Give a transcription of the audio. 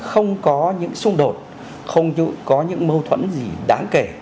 không có những xung đột không có những mâu thuẫn gì đáng kể